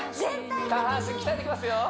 下半身鍛えていきますよ